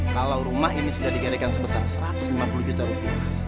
kalau rumah ini sudah digalikan sebesar satu ratus lima puluh juta rupiah